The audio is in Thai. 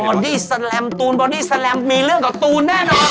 อดี้แลมตูนบอดี้แลมมีเรื่องกับตูนแน่นอน